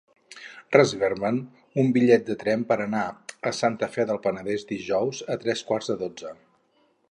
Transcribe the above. Reserva'm un bitllet de tren per anar a Santa Fe del Penedès dijous a tres quarts de dotze.